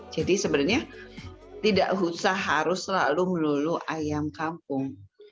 jadi sebenarnya tidak usah harus selalu melulu ayam kampung